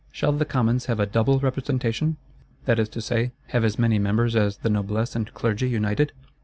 Shall the Commons have a "double representation," that is to say, have as many members as the Noblesse and Clergy united?